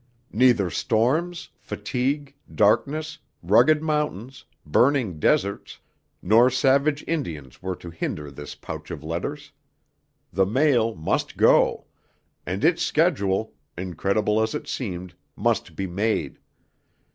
Neither storms, fatigue, darkness, rugged mountains, burning deserts, nor savage Indians were to hinder this pouch of letters. The mail must go; and its schedule, incredible as it seemed, must be made.